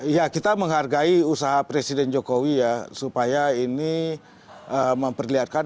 ya kita menghargai usaha presiden jokowi ya supaya ini memperlihatkan